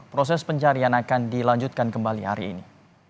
proses pencarian akan dilanjutkan kembali hari ini